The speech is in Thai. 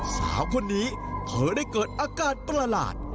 สาวคนนี้เธอได้เกิดอาการประหลาด